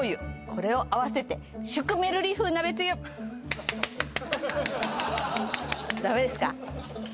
これを合わせてシュクメルリ風鍋つゆダメですか？